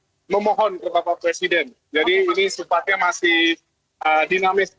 saya memohon ke bapak presiden jadi ini sempatnya masih dinamis